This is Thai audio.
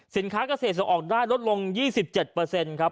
สินค้ากเศษจะออกได้ลดลง๒๗เปอร์เซ็นต์ครับ